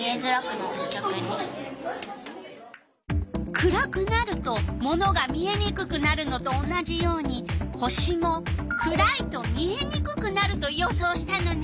暗くなるとものが見えにくくなるのと同じように星も暗いと見えにくくなると予想したのね。